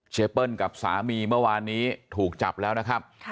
เปิ้ลกับสามีเมื่อวานนี้ถูกจับแล้วนะครับ